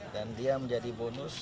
dan dia menjadi bonus